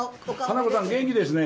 花子さん、元気ですね。